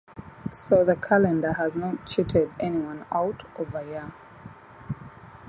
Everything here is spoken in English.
So the calendar has not 'cheated' anyone out of a year.